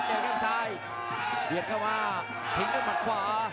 ประเภทมัยยังอย่างปักส่วนขวา